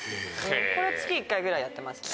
これは月１回ぐらいやってますね。